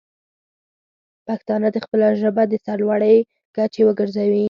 پښتانه دې خپله ژبه د سر لوړۍ کچه وګرځوي.